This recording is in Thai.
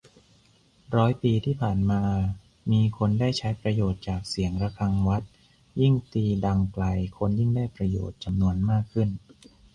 ร้อยปีที่ผ่านมา มีคนได้ใช้ประโยชน์จากเสียงระฆังวัด ยิ่งตีดังไกล คนยิ่งได้ประโยชน์จำนวนมากขึ้น